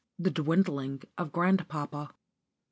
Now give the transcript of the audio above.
* _*THE DWINDLING OF GRANDPAPA.